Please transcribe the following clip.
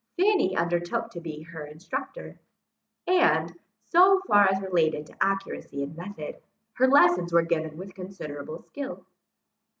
Fanny undertook to be her instructor; and, so far as related to accuracy and method, her lessons were given with considerable skill.